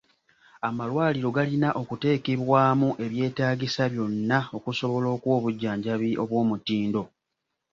Amalwaliro galina okuteekebwamu e byetaagisa byonna okusobola okuwa obujjanjabi obw'omutindo.